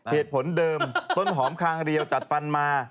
เหตุผลเดิมต้นหอมคางเรียวจัดฟันมา